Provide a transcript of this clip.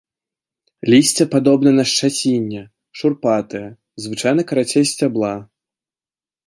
Лісце падобна на шчацінне, шурпатае, звычайна карацей сцябла.